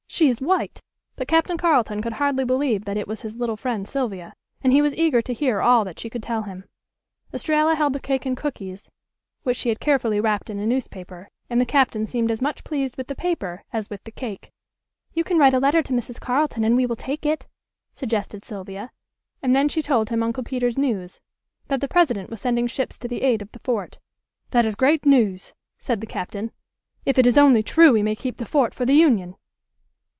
She is white." But Captain Carleton could hardly believe that it was his little friend Sylvia. And he was eager to hear all that she could tell him. Estralla held the cake and cookies, which she had carefully wrapped in a newspaper, and the Captain seemed as much pleased with the paper as with the cake. "You can write a letter to Mrs. Carleton and we will take it," suggested Sylvia, and then she told him Uncle Peter's news: that the President was sending ships to the aid of the fort. "That is great news," said the Captain; "if it is only true we may keep the fort for the Union."